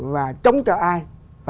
và chống cho ai